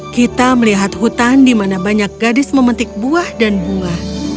kita melihat hutan di mana banyak gadis memetik buah dan bunga